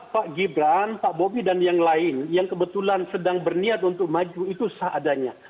pak gibran pak bobi dan yang lain yang kebetulan sedang berniat untuk maju itu seadanya